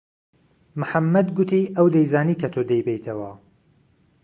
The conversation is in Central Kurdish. محەممەد گوتی ئەو دەیزانی کە تۆ دەیبەیتەوە.